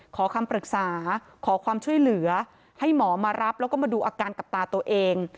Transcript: ขอคำปรึกษาขอความช่วยเหลือให้หมอมารับแล้วก็มาดูอาการกับตาตัวเอง